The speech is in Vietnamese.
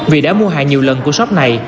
vì đã mua hàng nhiều lần của shop này